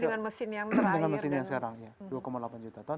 dengan mesin yang sekarang ya dua delapan juta ton